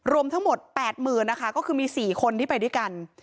รวมทั้งหมด๘๐๐๐นะคะก็คือมี๔คนที่ไปด้วยกัน